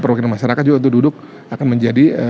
perwakilan masyarakat juga untuk duduk akan menjadi